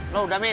lo udah min